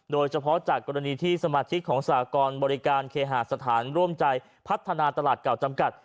โดยเฉพาะจากกรณีที่สมาชิกของสากรบริการเคหาสถานร่วมใจพัฒนาตลาดเก่าจำกัด